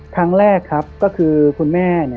ครั้งแรกครับก็คือคุณแม่